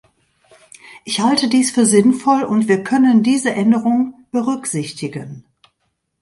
Ich halte dies für sinnvoll und wir können diese Änderung berücksichtigen.